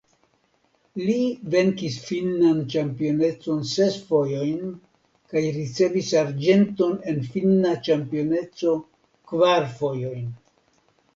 Li venkis finnan ĉampionecon ses fojojn kaj ricevis arĝenton en finna ĉampioneco kvar fojojn.